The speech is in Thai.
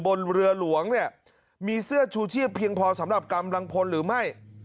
บนเรือหลวงเนี่ยมีเสื้อชูชีพเพียงพอสำหรับกำลังพลหรือไม่